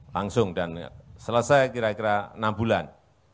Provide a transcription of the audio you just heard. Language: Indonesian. langsung dan selesai kira kira enam bulan